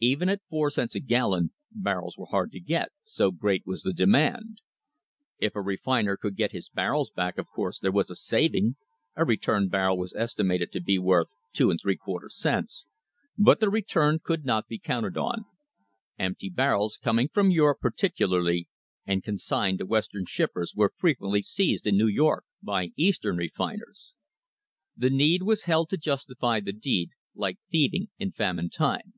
Even at four cents a gallon barrels were hard to get, so great was the demand. If a refiner could get his barrels back, of course there was a saving (a returned barrel was estimated to be worth 2^/4 cents), but the return could not be counted on; empty barrels coming from Europe particularly, and con * See Chapter V. [ 2 37] THE HISTORY OF THE STANDARD OIL COMPANY signed to Western shippers, were frequently seized in New York by Eastern refiners. The need was held to justify the deed, like thieving in famine time.